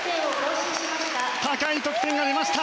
高い得点が出ました！